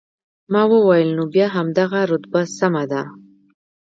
ما وویل، نو بیا همدغه رتبه سمه ده.